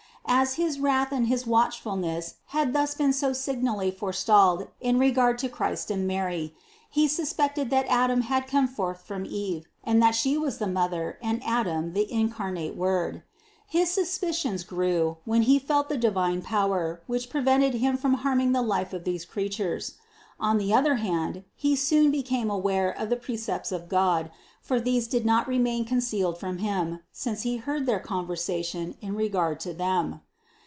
As his wrath and his watchfulness had thus been so signally forestalled in regard to Christ and Mary, he suspected that Adam had come forth from Eve, and that She was the Mother and Adam the incarnate Word. His suspicions grew, when he felt the divine power, which prevented him from harming the life of these creatures. On the other hand he soon became aware of the precepts of God, for these did not remain concealed from him, since he heard their conversation in regard to them.